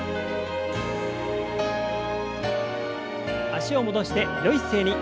脚を戻してよい姿勢に。